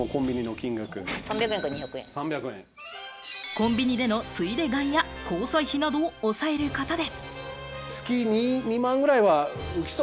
コンビニでのついで買いや交際費などを抑えることで。